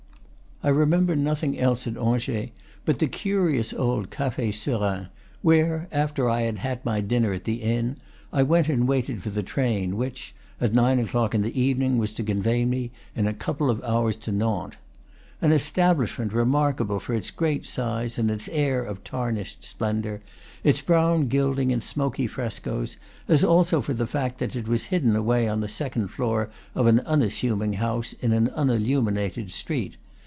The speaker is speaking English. I remember nothing else at Angers but the curious old Cafe Serin, where, after I had had my dinner at the inn, I went and waited for the train which, at nine o'clock in the evening, was to convey me, in a couple of hours, to Nantes, an establishment remarkable for its great size and its air of tarnished splendor, its brown gilding and smoky frescos, as also for the fact that it was hidden away on the second floor of an un assuming house in an unilluminated street.